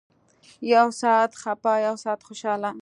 يو سات خپه يو سات خوشاله.